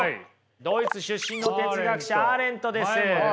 ドイツ出身の哲学者アーレントです。